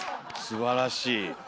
すばらしい。